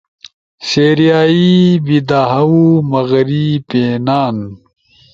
سیرئیائی بیدھاؤ، مغری پینان